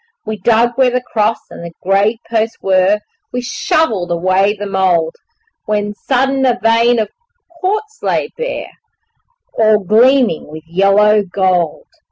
We dug where the cross and the grave posts were, We shovelled away the mould, When sudden a vein of quartz lay bare All gleaming with yellow gold.